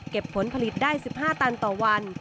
ผลผลิตได้๑๕ตันต่อวัน